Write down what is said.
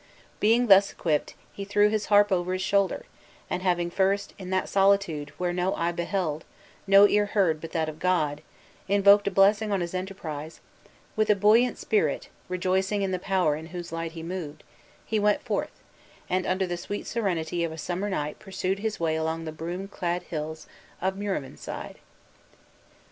Being thus equipped, he threw his harp over his shoulder; and having first, in that solitude, where no eye beheld, no ear heard but that of God, invoked a blessing on his enterprise, with a buoyant spirit rejoicing in the power in whose light he moved he went forth, and under the sweet serenity of a summer night pursued his way along the broom clad hills of Muiravenside.